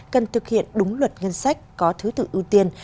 cần thực hiện đúng luật ngân sách có thứ tự ưu tiên